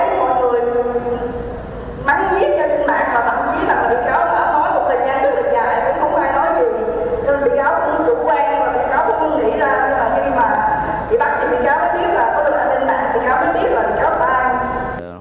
nhưng mà khi mà bị bắt thì bị cáo biết biết là